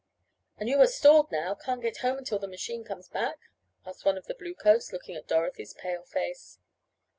"And you are stalled now, can't get home until the machine comes back?" asked one of the blue coats, looking at Dorothy's pale face.